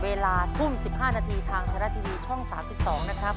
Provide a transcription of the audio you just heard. เวลาทุ่ม๑๕นาทีทางไทยรัฐทีวีช่อง๓๒นะครับ